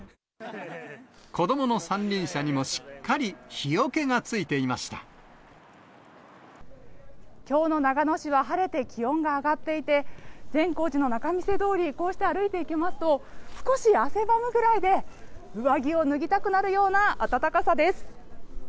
子どもの三輪車にもしっかりきょうの長野市は晴れて気温が上がっていて、善光寺の仲見世通り、こうして歩いていきますと、少し汗ばむくらいで、上着を脱ぎたくなるような暖かさです。